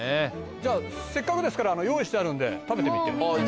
じゃあせっかくですから用意してあるんで食べてみて。